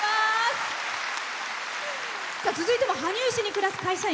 続いても羽生市に暮らす会社員。